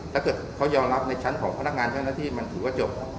ถ้าเกิดเขายอมรับในชั้นของพนักงานเจ้าหน้าที่มันถือว่าจบ